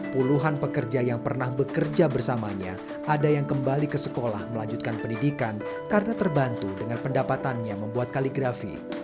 puluhan pekerja yang pernah bekerja bersamanya ada yang kembali ke sekolah melanjutkan pendidikan karena terbantu dengan pendapatannya membuat kaligrafi